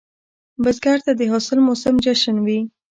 بزګر ته د حاصل موسم جشن وي